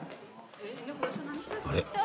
あれ？